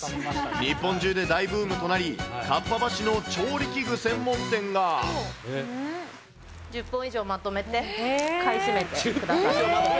日本中で大ブームとなり、１０本以上まとめて買い占めてくれたから。